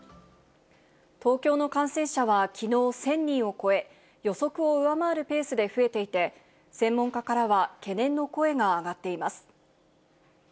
東京の感染者はきのう１０００人を超え、予測を上回るペースで増えていて、専門家からは懸念の声が上がっています。